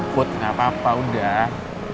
put gapapa udah